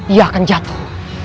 ia akan jatuh